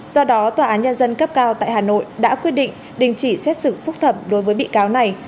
do đó tòa án nhân dân cấp cao tại hà nội đã quyết định đình chỉ xét xử phúc thẩm đối với bị cáo này